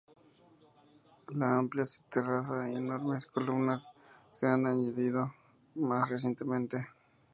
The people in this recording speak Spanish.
La amplia terraza y enormes columnas se han añadido más recientemente.